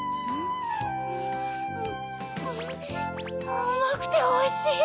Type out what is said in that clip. あまくておいしい！